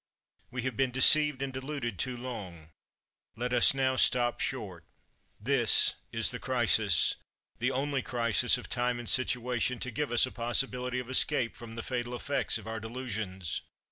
We have been deceived and de luded too long. Let us now stop short. This is the crisis — the only crisis of time and situation, to give us a possibility of escape from the fatal effects of our delusions.